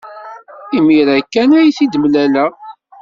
Imir-a kan ay t-id-mlaleɣ.